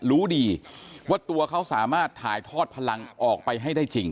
รู้ดีว่าตัวเขาสามารถถ่ายทอดพลังออกไปให้ได้จริง